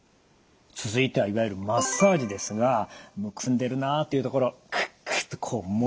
続いてはいわゆるマッサージですがむくんでるなというところをくっくっとこうもんでいく